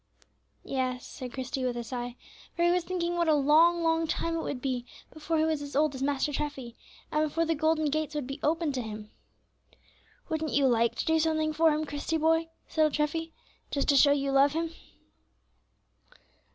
"Yes," said Christie, with a sigh, for he was thinking what a long, long time it would be before he was as old as Master Treffy, and before the golden gates would be opened to him. "Wouldn't you like to do something for Him, Christie, boy," said old Treffy, "just to show you love Him?"